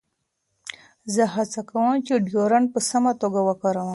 زه هڅه کوم چې ډیوډرنټ په سمه توګه وکاروم.